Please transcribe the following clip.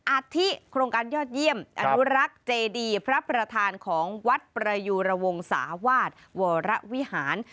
อาทิโครงการยอดเยี่ยมอนุรักษ์เจดีพระประธานของวัดประยูระวงศาวาสวรวิหาร